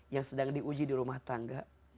yang sedang diuji di rumah tangga